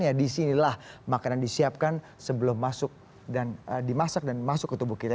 ya disinilah makanan disiapkan sebelum masuk dan dimasak dan masuk ke tubuh kita